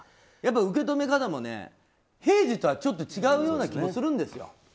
受け止め方も平時とはちょっと違うような気もするんですよ。